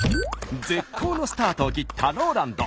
絶好のスタートを切ったＲＯＬＡＮＤ。